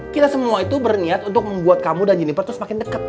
kita semua itu berniat untuk membuat kamu dan jeniper tuh semakin deket